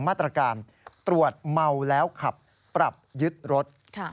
มาตรการตรวจเมาแล้วขับปรับยึดรถ